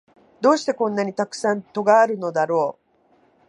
どうしてこんなにたくさん戸があるのだろう